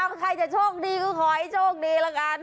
ใครจะโชคดีก็ขอให้โชคดีละกัน